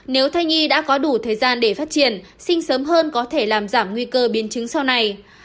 nếu thai nhi đã có đủ thời gian để phát triển sinh sớm hơn có thể làm giảm nguy cơ biến chứng sau này